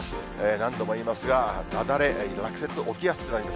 何度も言いますが、雪崩、落雪、起きやすくなります。